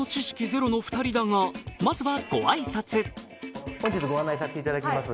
ゼロの二人だがまずはご挨拶本日ご案内させていただきます